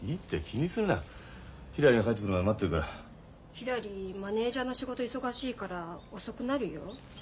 ひらりマネージャーの仕事忙しいから遅くなるよ？